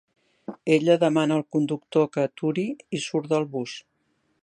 Ella demana al conductor que aturi i surt del bus.